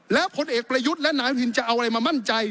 แล้วผลเอกประยุทธ์และนายอนุทินจะเอาอะไรมามั่นใจ